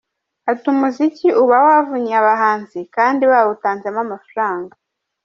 Ati: “Umuziki uba wavunnye abahanzi kandi bawutanzemo amafaranga.